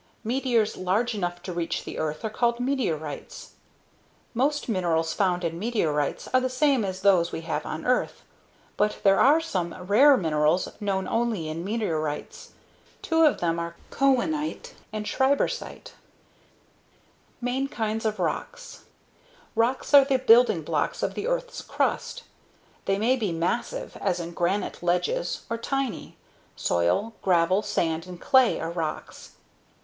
Meteors large enough to reach the earth are called meteorites. Most minerals found in meteorites are the same as those we have on earth. But, there are some rare minerals known only in meteorites. Two of them are cohenite and schreibersite. MAIN KINDS OF ROCKS Rocks are the building blocks of the earth's crust. They may be massive, as in granite ledges, or tiny. Soil, gravel, sand and clay are rocks.